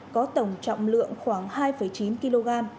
có tổng trọng lượng khoảng hai chín kg